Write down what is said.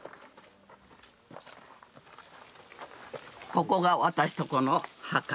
ここが私のとこの墓。